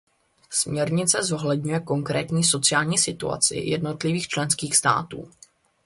Směrnice zohledňuje konkrétní sociální situaci jednotlivých členských států.